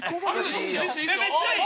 めっちゃいい！